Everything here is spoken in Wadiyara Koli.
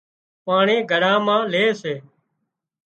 پاڻي گھڙا مان لي سي